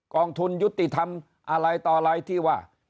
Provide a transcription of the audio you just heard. กองทุนยุติธรรมอะไรต่ออะไรที่ว่า